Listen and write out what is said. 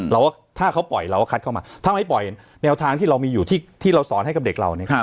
ว่าถ้าเขาปล่อยเราก็คัดเข้ามาถ้าไม่ปล่อยแนวทางที่เรามีอยู่ที่เราสอนให้กับเด็กเราเนี่ย